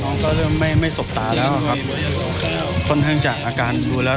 น้องก็เริ่มไม่ไม่สบตาแล้วครับค่อนข้างจากอาการดูแล้ว